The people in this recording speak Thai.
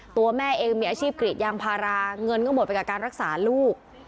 ตัวแม่เองมีอาชีพกรีดยางพาราเงินก็หมดไปกับการรักษาลูก